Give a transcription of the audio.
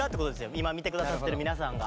今見て下さってる皆さんが。